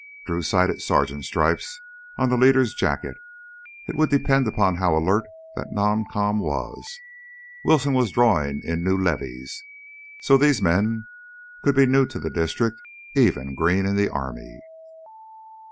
Drew sighted sergeant's stripes on the leader's jacket. It would depend upon how alert that noncom was. Wilson was drawing in new levies, so these men could be new to the district, even green in the army.